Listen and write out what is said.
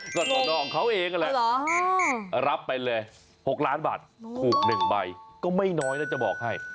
ก็สอนอของเขาเองนั่นแหละรับไปเลย๖ล้านบาทถูก๑ใบก็ไม่น้อยนะจะบอกให้